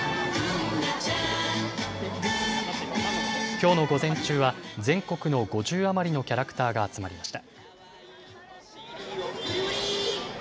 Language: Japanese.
きょうの午前中は全国の５０余りのキャラクターが集まりました。